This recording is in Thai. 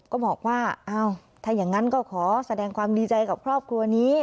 ก็บอกว่าอ้าวถ้าอย่างนั้นก็ขอแสดงความดีใจกับครอบครัวนี้